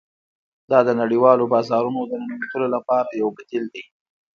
دا د نړیوالو بازارونو د ننوتلو لپاره یو بدیل دی